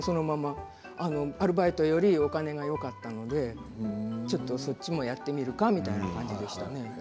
アルバイトよりお金がよかったのでそっちもやってみるかという感じで始めましたね。